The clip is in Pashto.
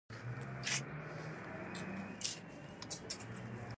ډونران په یو نه یو ډول په تصامیمو اغیز لرلای شي.